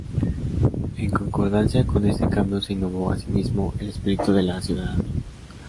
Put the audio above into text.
En concordancia con este cambio, se innovó, asimismo, el espíritu de la ciudadanía.